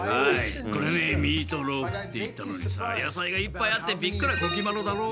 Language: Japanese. これねミートローフって言ったのにさ野菜がいっぱいあってびっくらこきまろだろ？